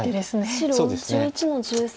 白１１の十三。